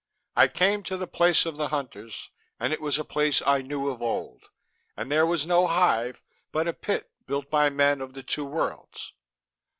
'I came to the place of the Hunters, and it was a place I knew of old, and there was no hive, but a Pit built by men of the Two Worlds....'"